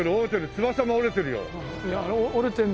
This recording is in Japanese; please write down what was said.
翼が折れてるよ。